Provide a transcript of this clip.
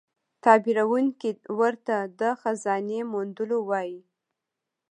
تعبیرونکی ورته د خزانې موندلو وايي.